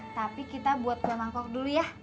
tapi kita buat kue mangkok dulu ya